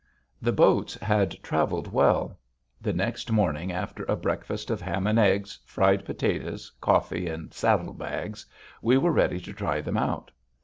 The boats had traveled well. The next morning, after a breakfast of ham and eggs, fried potatoes, coffee, and saddle bags, we were ready to try them out.